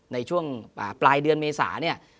ในช่วงปลายเดือนเมษาเนี่ย